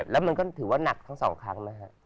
แล้วมันก็ถือว่านักทั้งสองครั้งไหมฮะ